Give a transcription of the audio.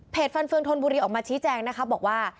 ฟันเฟืองธนบุรีออกมาชี้แจงนะคะบอกว่า